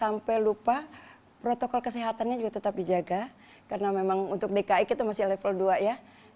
ewan baru ini salah satu orang yang sudah memiliki perasaan kecuali kematian di kampung ya karena memang sudah dua tahun ini mungkin mereka sudah sangat rindu sekali dengan keluarga